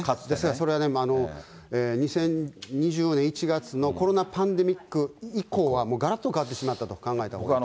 それは２０２０年１月のコロナパンデミック以降は、がらっと変わってしまったと考えたほうがいいです。